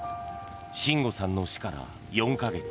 真吾さんの死から４か月。